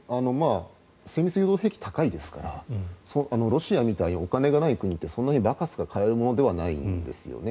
精密誘導兵器は高いですからロシアみたいにお金がない国ってそんなにバカスカ買えるものではないんですね。